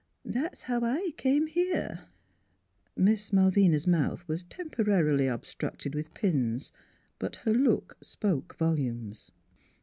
That's how I came here." Miss Malvina's mouth was temporarily ob structed with pins. But her look spoke volumes.